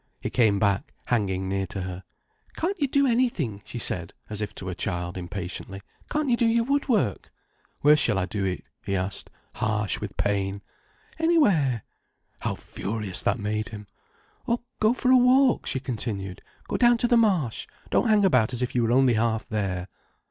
He came back, hanging near to her. "Can't you do anything?" she said, as if to a child, impatiently. "Can't you do your wood work?" "Where shall I do it?" he asked, harsh with pain. "Anywhere." How furious that made him. "Or go for a walk," she continued. "Go down to the Marsh. Don't hang about as if you were only half there."